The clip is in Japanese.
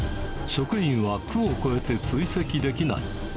職員は区を越えて追跡できない。